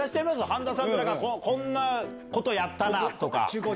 半田さんこんなことやったとか。